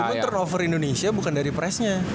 cuma turnover indonesia bukan dari pressnya